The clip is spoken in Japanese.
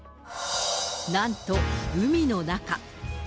なんと海の中。